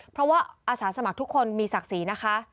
เพราะว่าอาสาสมัครทุกคนมีศักดิ์ศรีนะคะ